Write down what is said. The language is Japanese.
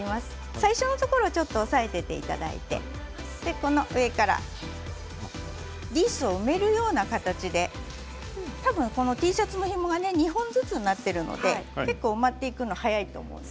最初のところを押さえておいていただいて上からリースを埋めるような形で多分Ｔシャツのひもは２本ずつになっていくので巻いていくのが早いと思います。